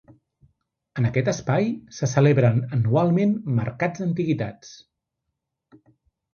En aquest espai, se celebren anualment mercats d'antiguitats.